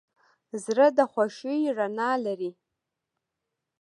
زړه د خوښۍ رڼا لري.